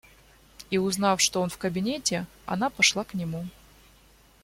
И, узнав, что он в кабинете, она пошла к нему.